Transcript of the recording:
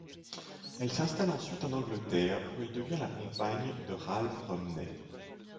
Elle s'installe ensuite en Angleterre où elle devient la compagne de Ralph Rumney.